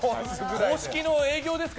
公式の営業ですか？